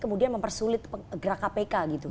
kemudian mempersulit gerak kpk gitu